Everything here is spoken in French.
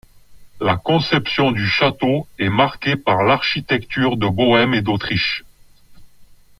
La conception du château est marquée par l´architecture de Bohême et d´Autriche.